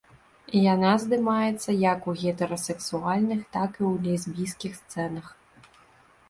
Яна здымаецца як у гетэрасексуальных, так і ў лесбійскіх сцэнах.